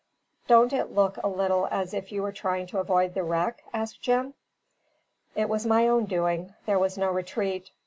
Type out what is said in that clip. "Don't it look a little as if you were trying to avoid the wreck?" asked Jim. It was my own doing; there was no retreat.